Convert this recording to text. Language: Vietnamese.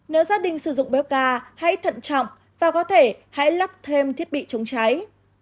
nếu gia đình sử dụng béo ca hãy thận trọng và có thể hãy lắp thêm thiết bị chống cháy